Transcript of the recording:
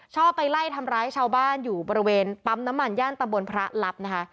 ชอบไปไล่ทำร้ายชาวบ้านอยู่บริเวณปั๊มน้ำมันย่านตำบลพระลับนะคะ